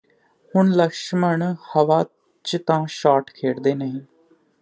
ਹੁਣ ਲਕਸ਼ਮਣ ਹਵਾ ਚ ਤਾਂ ਸ਼ਾਟ ਖੇਡਦੇ ਨਹੀਂ